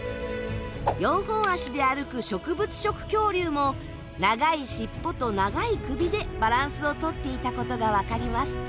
四本足で歩く植物食恐竜も長い尻尾と長い首でバランスをとっていたことがわかります。